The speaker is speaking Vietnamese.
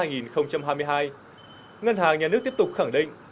ngân hàng nhà nước tiếp tục khẳng định